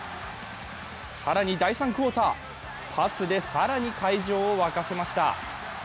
更に第３クオーター、パスで更に会場を沸かせました。